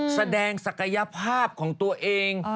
แสดงศักยภาพของตัวเอง